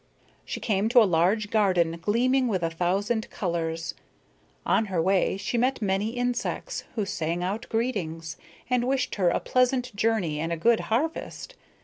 She came to a large garden gleaming with a thousand colors. On her way she met many insects, who sang out greetings, and wished her a pleasant journey and a good harvest.